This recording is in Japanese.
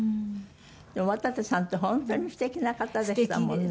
でも渡瀬さんって本当にすてきな方でしたもんね。